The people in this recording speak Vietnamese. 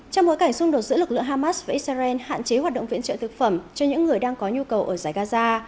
trong bối cảnh xung đột giữa lực lượng hamas và israel hạn chế hoạt động viện trợ thực phẩm cho những người đang có nhu cầu ở giải gaza